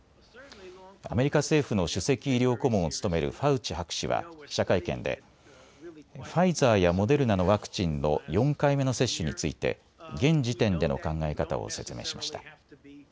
アメリカ政府の首席医療顧問を務めるファウチ博士は記者会見でファイザーやモデルナのワクチンの４回目の接種について現時点での考え方を説明しました。